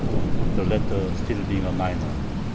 the latter still being a minor.